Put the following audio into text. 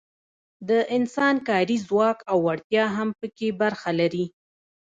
د انسان کاري ځواک او وړتیا هم پکې برخه لري.